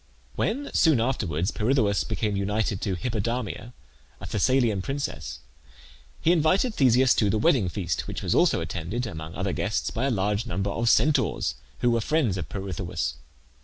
When, soon afterwards, Pirithoeus became united to Hippodamia, a Thessalian princess, he invited Theseus to the wedding feast, which was also attended, among other guests, by a large number of Centaurs, who were friends of Pirithoeus.